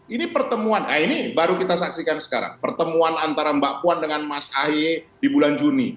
ini pertemuan nah ini baru kita saksikan sekarang pertemuan antara mbak puan dengan mas ahy di bulan juni